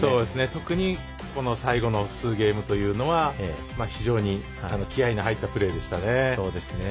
特に最後の数ゲームというのは非常に気合いの入ったプレーでしたね。